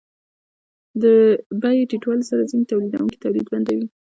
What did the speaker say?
د بیې ټیټوالي سره ځینې تولیدونکي تولید بندوي